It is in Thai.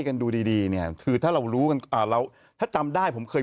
กันดูดีดีเนี่ยคือถ้าเรารู้กันอ่าเราถ้าจำได้ผมเคย